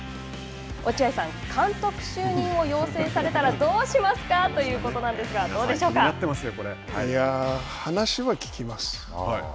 落合さん、監督就任を要請されたらどうしますかということなんですが、皆さん、気になってますよ。